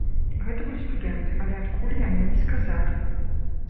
Гэта былі студэнты, але адкуль, яны не сказалі.